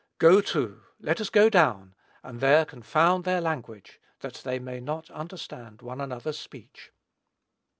Go to, let us go down, and there confound their language, that they may not understand one another's speech.